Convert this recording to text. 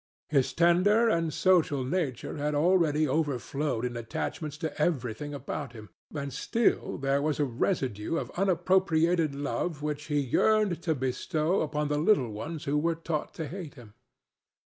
His tender and social nature had already overflowed in attachments to everything about him, and still there was a residue of unappropriated love which he yearned to bestow upon the little ones who were taught to hate him.